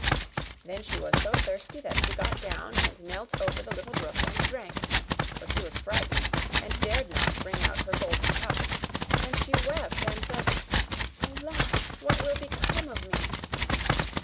Then she was so thirsty that she got down, and knelt over the little brook, and drank; for she was frightened, and dared not bring out her golden cup; and she wept and said, 'Alas! what will become of me?